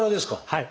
はい。